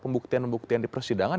pembuktian pembuktian di persidangan